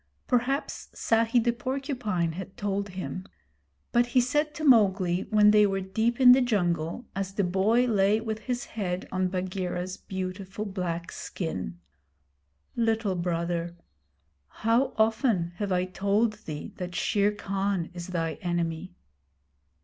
Perhaps Sahi the Porcupine had told him; but he said to Mowgli when they were deep in the jungle, as the boy lay with his head on Bagheera's beautiful black skin: 'Little Brother,' how often have I told thee that Shere Khan is thy enemy?'